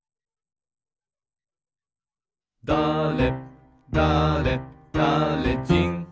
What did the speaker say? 「だれだれだれじん」